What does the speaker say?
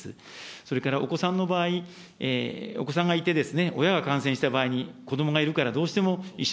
それからお子さんの場合、お子さんがいて、親が感染した場合に、子どもがいるからどうしても一緒